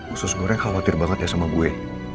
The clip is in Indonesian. usus goreng khawatir banget ya sama gue